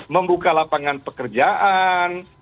membuka lapangan pekerjaan